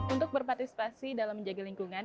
untuk berpartisipasi dalam menjaga lingkungan